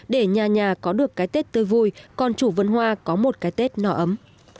để nhà nhà có được cái tết tươi vui còn chủ vườn hoa có một cái tết nỏ ấm